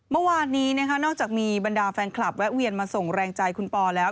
เมื่อวานนี้นะคะนอกจากมีบรรดาแฟนคลับแวะเวียนมาส่งแรงใจคุณปอแล้ว